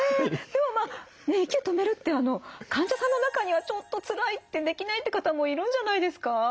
でもまあ息止めるって患者さんの中にはちょっとつらいってできないって方もいるんじゃないですか？